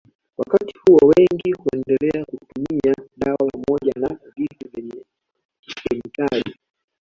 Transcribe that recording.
Wakati huo wengi huendelea kutumia dawa pamoja na vitu vyenye kemikali